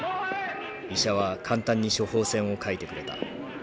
医者は簡単に処方箋を書いてくれた。